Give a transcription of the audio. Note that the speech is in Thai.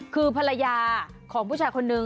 คือภรรยาของผู้ชายคนนึง